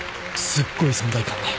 すっごい存在感ね。